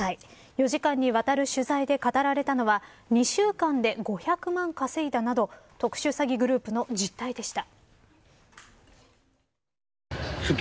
４時間にわたる取材で語られたのは２週間で５００万稼いだなど特殊詐欺グループの実態でした。